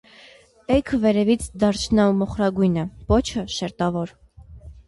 Էգը վերևից դարչնամոխրագույն է, պոչը՝ շերտավոր։